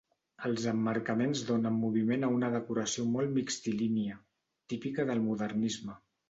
Els emmarcaments donen moviment a una decoració molt mixtilínia, típica del modernisme.